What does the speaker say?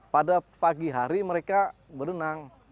pada pagi hari mereka berenang